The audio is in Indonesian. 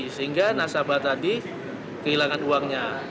sehingga nasabah tadi kehilangan uangnya